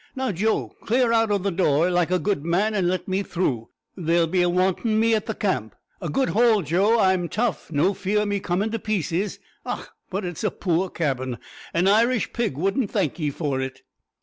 Now, Joe, clear out o' the door, like a good man, an' let me through. They'll be wantin' me at the camp. A good haul, Joe, I'm tough; no fear o' me comin' to pieces. Och! but it's a poor cabin. An Irish pig wouldn't thank ye for it."